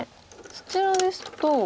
そちらですと。